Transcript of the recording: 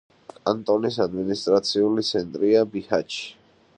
კანტონის ადმინისტრაციული ცენტრია ბიჰაჩი.